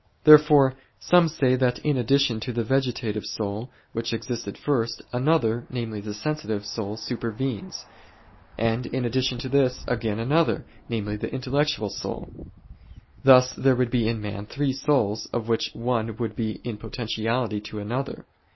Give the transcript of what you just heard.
Therefore some say that in addition to the vegetative soul which existed first, another, namely the sensitive, soul supervenes; and in addition to this, again another, namely the intellectual soul. Thus there would be in man three souls of which one would be in potentiality to another.